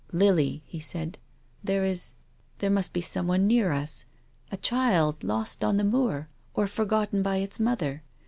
" Lily," he said, " there is — there must be someone near us, a child lost on the moor, or forgotten by its mother.